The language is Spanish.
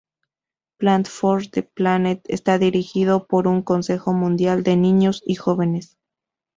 Plant-for-the-Planet está dirigido por un Consejo Mundial de niños y jóvenes.